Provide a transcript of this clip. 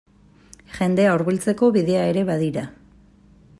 Jendea hurbiltzeko bidea ere badira.